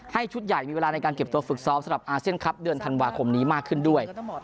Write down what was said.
ชุดใหญ่มีเวลาในการเก็บตัวฝึกซ้อมสำหรับอาเซียนคลับเดือนธันวาคมนี้มากขึ้นด้วย